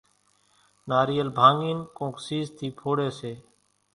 ناريل ڀانڳين ڪونڪ سيز ٿي ڦوڙي سي